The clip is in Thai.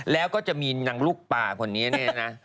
แล้วก็จะมีหนังลูกปลาคนนี้นะ